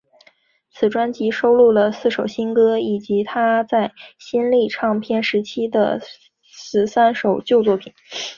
此专辑收录了四首新歌以及她在新力唱片时期的十三首旧作品。